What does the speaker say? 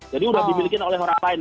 jadi sudah dimiliki oleh orang lain